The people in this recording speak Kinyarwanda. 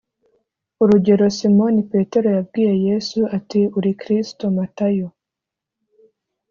Urugero Simoni Petero yabwiye Yesu ati uri Kristo Matayo